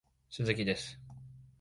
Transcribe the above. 鈴木です